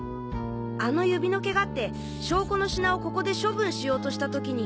あの指のケガって証拠の品をここで処分しようとした時に。